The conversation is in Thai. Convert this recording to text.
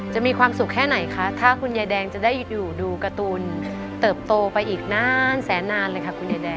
มีความสุขแค่ไหนคะถ้าคุณยายแดงจะได้อยู่ดูการ์ตูนเติบโตไปอีกนานแสนนานเลยค่ะคุณยายแดง